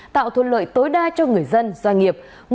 tạo thuận lợi tối đa cho người dân doanh nghiệp